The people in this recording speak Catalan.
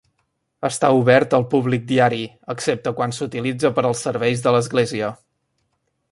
Està obert al públic diari, excepte quan s'utilitza per als serveis de l'església.